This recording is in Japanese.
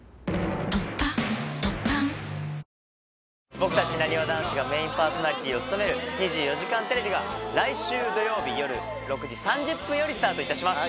僕たちなにわ男子がメインパーソナリティーを務める２４時間テレビが、来週土曜日夜６時３０分よりスタートいたします。